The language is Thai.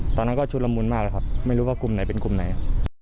ตอนนั้นก็ชุดละมุนมากแล้วครับไม่รู้ว่ากลุ่มไหนเป็นกลุ่มไหน